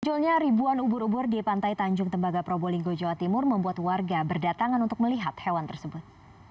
munculnya ribuan ubur ubur di pantai tanjung tembaga probolinggo jawa timur membuat warga berdatangan untuk melihat hewan tersebut